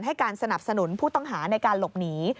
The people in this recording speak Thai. ให้การสนับสนุนผู้ต้องหาในการหลบหนี